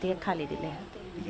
tiga kali di leher